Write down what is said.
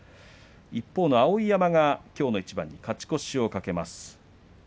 一方の碧山はきょうの一番に勝ち越しを懸けます。